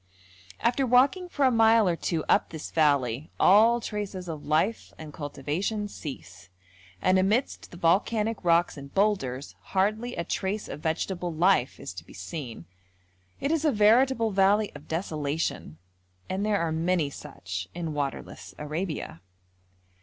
After walking for a mile or two up this valley all traces of life and cultivation cease, and amidst the volcanic rocks and boulders hardly a trace of vegetable life is to be seen. It is a veritable valley of desolation, and there are many such in waterless Arabia.